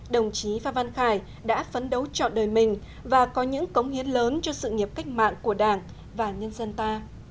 đồng chí phan văn khải đã phấn đấu chọn đời mình và có những cống hiến lớn cho sự nghiệp cách mạng của đảng và nhân dân ta